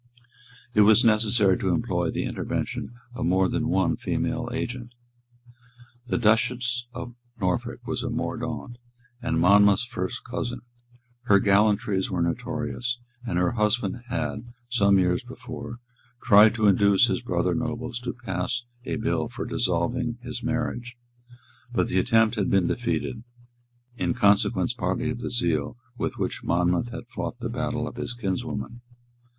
It was necessary to employ the intervention of more than one female agent. The Duchess of Norfolk was a Mordaunt, and Monmouth's first cousin. Her gallantries were notorious; and her husband had, some years before, tried to induce his brother nobles to pass a bill for dissolving his marriage; but the attempt had been defeated, in consequence partly of the zeal with which Monmouth had fought the battle of his kinswoman.